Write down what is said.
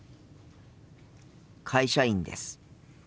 会社員です。